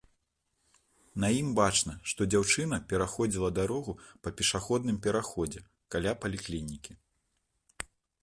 На ім бачна, што дзяўчына пераходзіла дарогу па пешаходным пераходзе каля паліклінікі.